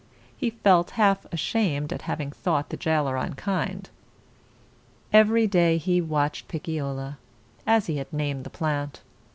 He felt half ashamed at having thought the jailer unkind. Every day he watched Pic cio la, as he had named the plant.